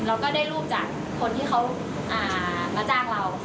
เราก็ได้รูปจากคนที่เขามาจ้างเรา